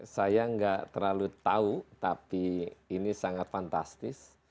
saya nggak terlalu tahu tapi ini sangat fantastis